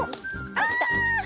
あ！いった！